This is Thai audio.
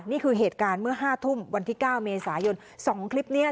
นี่คือเหตุการณ์เมื่อห้าทุ่มวันที่เก้าเมษายนสองคลิปนี้